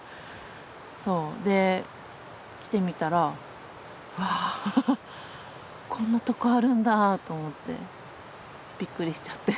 で来てみたらあこんなとこあるんだと思ってびっくりしちゃって。